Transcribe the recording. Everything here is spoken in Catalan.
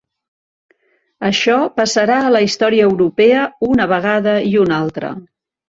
Això passarà a la història europea una vegada i una altra.